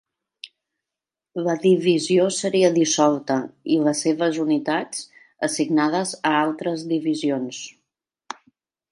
La divisió seria dissolta, i les seves unitats assignades a altres divisions.